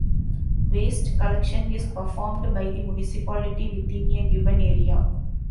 Waste collection is performed by the municipality within a given area.